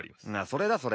それだそれ。